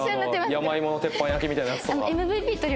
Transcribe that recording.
山芋の鉄板焼きみたいなやつとか。